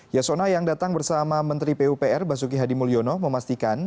yasona yang datang bersama menteri pupr basuki hadi mulyono memastikan